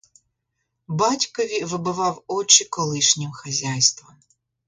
Батькові вибивав очі колишнім хазяйством.